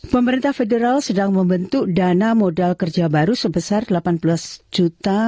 pemerintah federal sedang membentuk dana modal kerja baru sebesar rp delapan belas juta